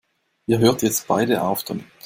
Ihr hört jetzt beide auf damit!